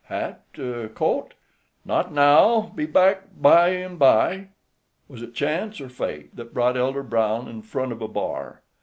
Hat, coat—" "Not now. Be back bimeby." Was it chance or fate that brought Elder Brown in front of a bar?